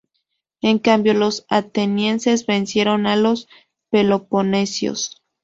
En cambio, los atenienses vencieron a los peloponesios.